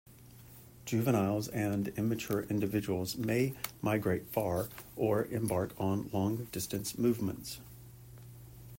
Juveniles and immature individuals may migrate far or embark on long-distance movements.